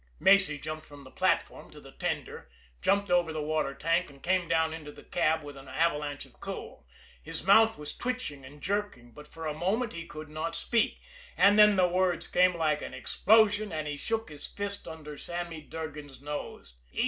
Macy jumped from the platform to the tender, jumped over the water tank, and came down into the cab with an avalanche of coal. His mouth was twitching and jerking, but for a moment he could not speak and then the words came like an explosion, and he shook his fist under Sammy Durgan's nose.